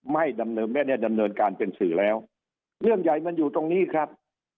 ไม่ได้ดำเนินการเป็นสื่อแล้วเรื่องใหญ่มันอยู่ตรงนี้ครับ